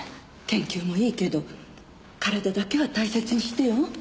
研究もいいけど体だけは大切にしてよ。